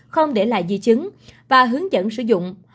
không để lại di chứng và hướng dẫn sử dụng